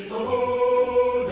pemuli pemuda indonesia